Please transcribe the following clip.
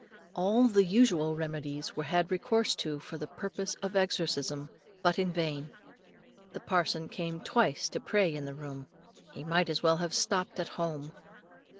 All the usual remedies were had recourse to for the purpose of exorcism, but in vain. The parson came twice to pray in the room. He might as well have stopped at home.